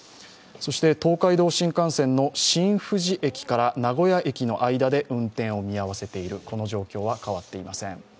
東海道新幹線の新富士駅から名古屋駅の間で運転を見合わせているこの状況は変わっていません。